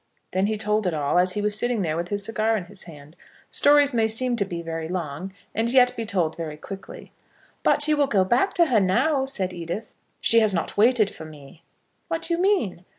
Then he told it all, as he was sitting there with his cigar in his hand. Stories may seem to be very long, and yet be told very quickly. "But you will go back to her now?" said Edith. "She has not waited for me." "What do you mean?"